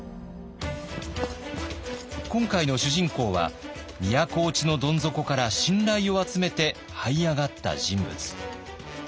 今回の主人公は都落ちのどん底から信頼を集めてはい上がった人物。